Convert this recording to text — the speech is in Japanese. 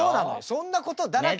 そんなことだらけです。